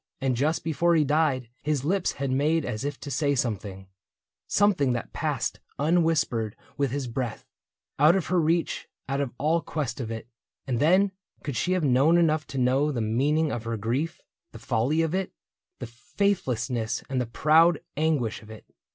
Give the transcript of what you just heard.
And just before he died His lips had made as if to say something — Something that passed unwhispered with his breath, Out of her reach, out of all quest of it. And then, could she have known enough to know The meaning of her grief, the folly of it. The faithlessness and the proud anguish of it.